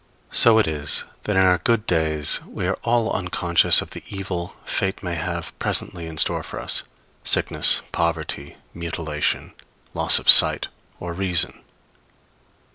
So it is that in our good days we are all unconscious of the evil Fate may have presently in store for us sickness, poverty, mutilation, loss of sight or reason.